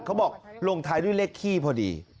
เขาบอกลงท้ายด้วยเลขขี้พอดี